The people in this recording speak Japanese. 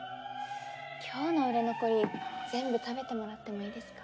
今日の売れ残り全部食べてもらってもいいですか？